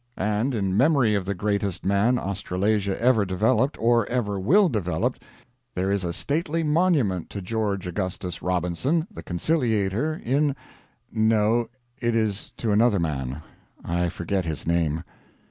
And in memory of the greatest man Australasia ever developed or ever will develop, there is a stately monument to George Augustus Robinson, the Conciliator in no, it is to another man, I forget his name.